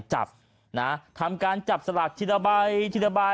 จับนะฮะทำการจับสลัด